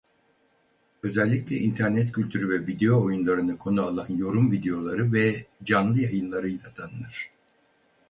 Özellikle internet kültürü ve video oyunlarını konu alan yorum videoları ve canlı yayınlarıyla tanınır.